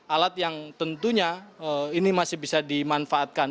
alat yang tentunya ini masih bisa dimanfaatkan